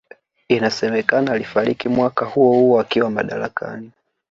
Inasemekana alifariki mwaka huohuo akiwa madarakani